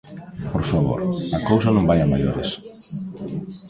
Por favor, a cousa non vai a maiores.